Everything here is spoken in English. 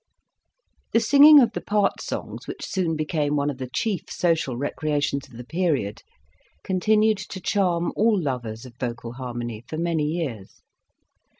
The singing of the part songs which soon became one of the chief social recreations of the period continued to charm all lovers of vocal harmony for many years.